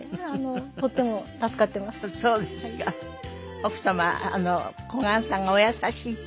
奥様小雁さんがお優しいって。